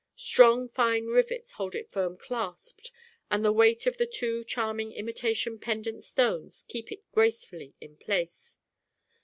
Strong fine rivets hold it firm clasped and the weight of the two charming imitation pendant stones keep it gracefully in place.